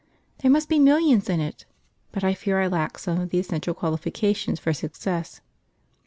There must be millions in it, but I fear I lack some of the essential qualifications for success.